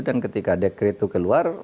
dan ketika dekret itu keluar